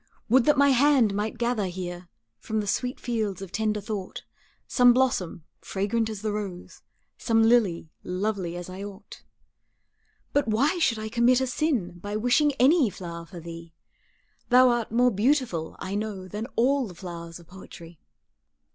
Would that my hand might gather here From the sweet fields of tender thought, Some blossom, fragrant as the rose, Some lily, lovely as I ought. But why should I commit a sin By wishing any flower for thee; Thou art more beautiful, I know, Than all the flowers of poetry.